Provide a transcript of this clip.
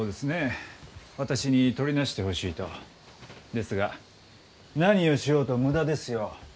ですが何をしようと無駄ですよ。